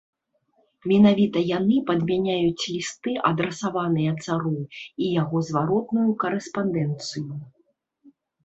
Менавіта яны падмяняюць лісты, адрасаваныя цару, і яго зваротную карэспандэнцыю.